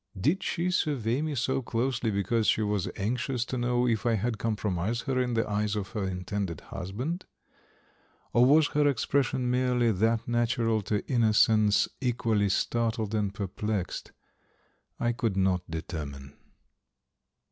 Did she survey me so closely because she was anxious to know if I had compromised her in the eyes of her intended husband? Or was her expression merely that natural to innocence equally startled and perplexed? I could not determine.